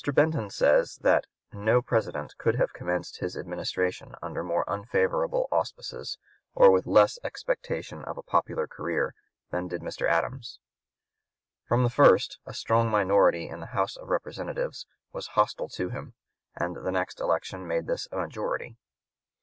Benton says that "no President could have commenced his administration under more unfavorable auspices, or with less expectation of a popular career," than did Mr. Adams. From the first a strong minority in the House of Representatives was hostile to him, and the next election made this a majority.